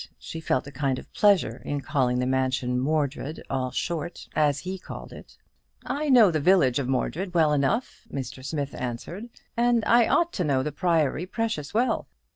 She felt a kind of pleasure in calling the mansion "Mordred," all short, as he called it. "I know the village of Mordred well enough," Mr. Smith answered, "and I ought to know the Priory precious well.